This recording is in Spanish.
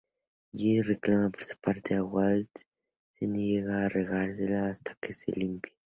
Jesse reclama su parte pero Walt se niega a entregársela hasta que este limpio.